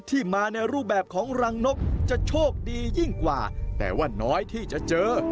ที่มาในรูปแบบของรังนกจะโชคดียิ่งกว่าแต่ว่าน้อยที่จะเจอ